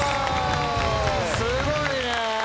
すごいね。